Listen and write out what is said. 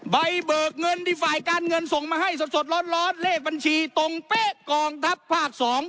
เบิกเงินที่ฝ่ายการเงินส่งมาให้สดร้อนเลขบัญชีตรงเป๊ะกองทัพภาค๒